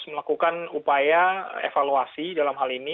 melakukan upaya evaluasi dalam hal ini